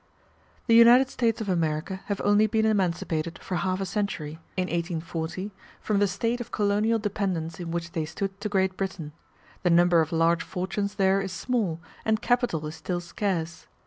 The United States of America have only been emancipated for half a century [in 1840] from the state of colonial dependence in which they stood to Great Britain; the number of large fortunes there is small, and capital is still scarce.